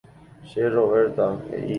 Che Roberta, he'i